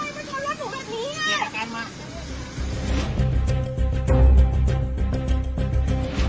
กล้องของก้วย